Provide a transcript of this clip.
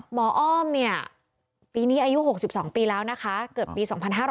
อ้อมเนี่ยปีนี้อายุ๖๒ปีแล้วนะคะเกิดปี๒๕๕๙